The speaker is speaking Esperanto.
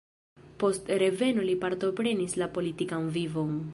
Post reveno li partoprenis la politikan vivon.